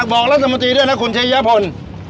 บอกรัฐหมตีด้วยคุณเชเยพล